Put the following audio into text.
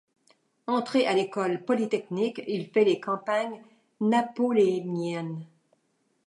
Entré à l'école Polytechnique, il fait les campagnes napoléoniennes.